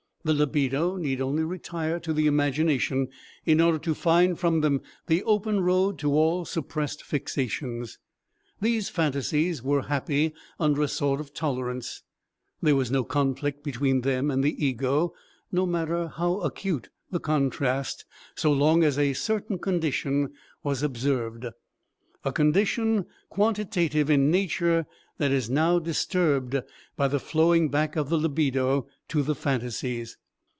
The libido need only retire to the imagination in order to find from them the open road to all suppressed fixations. These phantasies were happy under a sort of tolerance, there was no conflict between them and the ego, no matter how acute the contrast, so long as a certain condition was observed a condition quantitative in nature that is now disturbed by the flowing back of the libido to the phantasies.